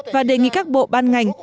và đề nghị các bộ ban ngành